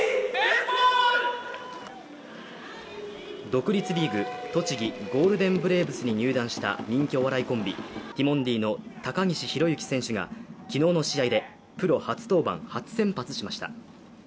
独立リーグ、栃木ゴールデンブレーブスに入団した人気お笑いコンビティモンディの高岸宏行選手が昨日の試合でプロ初登板、初先発しました。